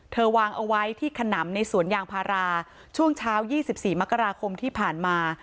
วางเอาไว้ที่ขนำในสวนยางพาราช่วงเช้า๒๔มกราคมที่ผ่านมา